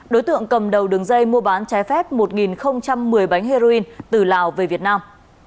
đối tượng cầm đầu đường dây mua bán trái phép một một mươi bánh heroin từ lào về việt nam